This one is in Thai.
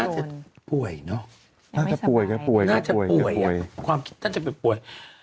น่าจะป่วยเนอะไม่สบายน่าจะป่วยน่าจะป่วยความคิดน่าจะเป็นป่วย